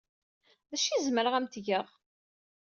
D acu ay zemreɣ ad am-t-geɣ?